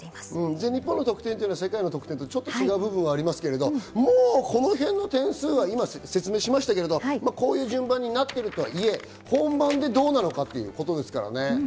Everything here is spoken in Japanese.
全日本の得点は世界の得点とちょっと違う部分はありますが、もうこのへんはこういう順番になってるとはいえ本番でどうなのかということですからね。